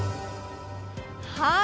はい。